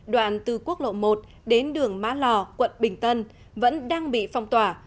đoạn từ quốc lộ một đến đường má lò quận bình tân vẫn đang bị phong tỏa